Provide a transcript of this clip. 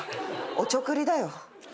おちょくりだよ。